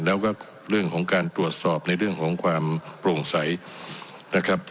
แล้วก็เรื่องของการตรวจสอบในเรื่องของความโปร่งใสนะครับ